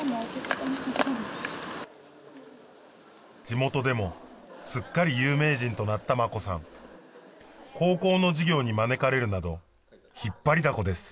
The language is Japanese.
地元でもすっかり有名人となった真子さん高校の授業に招かれるなど引っ張りだこです